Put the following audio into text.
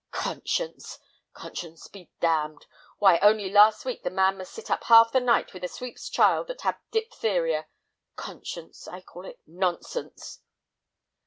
Conscience! Conscience be damned. Why, only last week the man must sit up half the night with a sweep's child that had diphtheria. Conscience! I call it nonsense."